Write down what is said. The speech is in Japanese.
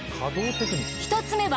１つめは。